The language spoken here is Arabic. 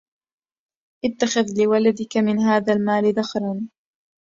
اتَّخَذَ لِوَلَدِك مِنْ هَذَا الْمَالِ ذُخْرًا